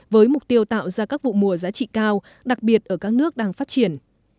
với mục tiêu tạo ra các vụ mùa giá trị cao đặc biệt ở các nước đang phát triển